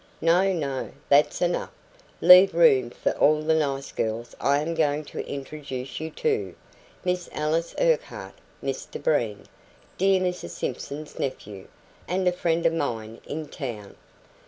"No, no, that's enough; leave room for all the nice girls I am going to introduce you to Miss Alice Urquhart Mr Breen, dear Mrs Simpson's nephew, and a friend of mine in town."